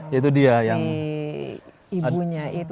jadi ibunya itu